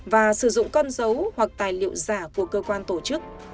và sử dụng con dấu hoặc tài liệu giả của cơ quan tổ chức